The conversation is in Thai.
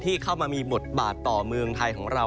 ที่เข้ามามีหมดบาดต่อเมืองไทยของเรา